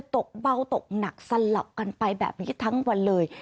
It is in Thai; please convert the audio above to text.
ตกเบาตกหนักสลับกันไปแบบนี้ทั้งวันเลย